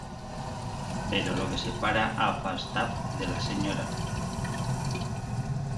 Pero lo que separa a Falstaff de la Sra.